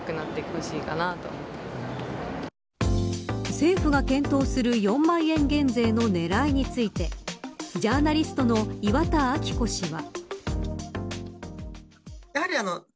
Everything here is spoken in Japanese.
政府が検討する４万円減税の狙いについてジャーナリストの岩田明子氏は。